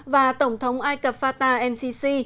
và tổng thống ai cập fatah ncc